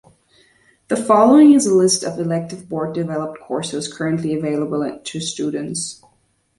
The following is a list of elective Board Developed Courses currently available to students.